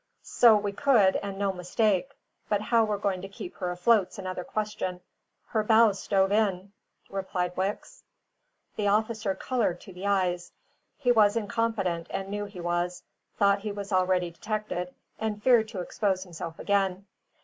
"So we could, and no mistake; but how we're to keep her afloat's another question. Her bows is stove in," replied Wicks. The officer coloured to the eyes. He was incompetent and knew he was; thought he was already detected, and feared to expose himself again.